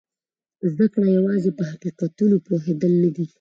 زده کړه یوازې په حقیقتونو پوهېدل نه دي.